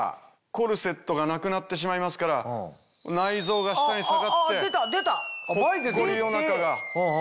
コルセットがなくなってしまいますから内臓が下に下がってぽっこりお腹が。